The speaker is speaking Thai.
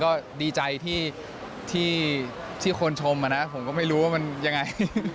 ก็ดีใจที่คนชมผมก็ไม่รู้ว่ามันยังไง